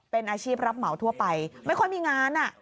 เป็นอาชีพรับเหมาทั่วไปไม่ค่อยมีงาน